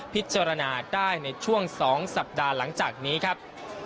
พิจารณาได้ในช่วง๒สัปดาห์หลังจากนี้ครับ